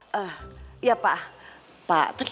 udah dipikirin udah kak